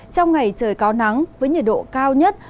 trong ngày trời có nắng với nhiệt độ cao nhất